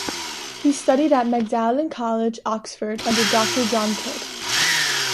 He studied at Magdalen College, Oxford, under Doctor John Kidd.